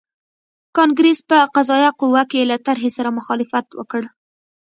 کانګریس په قضایه قوه کې له طرحې سره مخالفت وکړ.